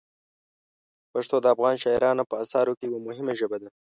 پښتو د افغان شاعرانو په اثارو کې یوه مهمه ژبه ده.